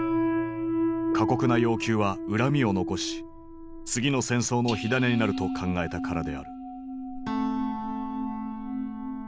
過酷な要求は恨みを残し次の戦争の火種になると考えたからである。